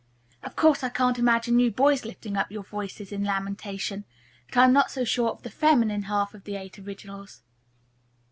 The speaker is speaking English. Of course, I can't imagine you boys lifting up your voices in lamentation, but I'm not so sure of the feminine half of the Eight Originals."